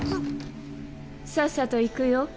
さっさと行くよ。